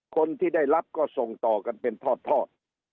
คนที่ได้รับก็ส่งต่อกันเป็นทอด